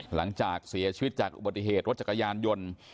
หลังจากเสียชีวิตจากอุบัติเหตุรถจักรยานยนต์